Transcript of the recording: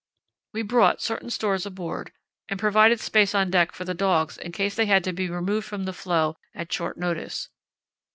We brought certain stores aboard and provided space on deck for the dogs in case they had to be removed from the floe at short notice.